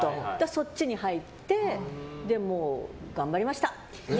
そっちに入ってもう頑張りました！